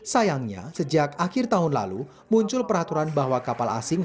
sayangnya sejak akhir tahun lalu muncul peraturan bahwa kapal asing